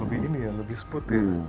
lebih ini ya lebih spot ya